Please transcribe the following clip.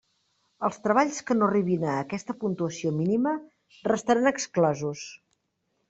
Els treballs que no arribin a aquesta puntuació mínima restaran exclosos.